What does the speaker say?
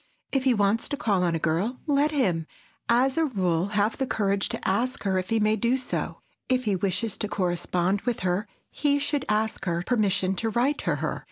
If he wants to call on a girl, let him, as a rule, have the courage to ask her if he may do so; if he wishes to correspond with her, he should ask her permission to write to her.